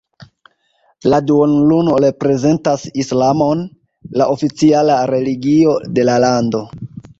La duonluno reprezentas Islamon, la oficiala religio de la lando.